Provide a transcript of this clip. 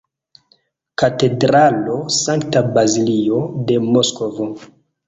Katedralo Sankta Bazilio de Moskvo.